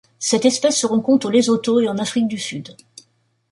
Cette espèce se rencontre au Lesotho et en Afrique du Sud.